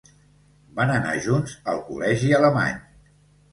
Van anar junts al Col·legi Alemany.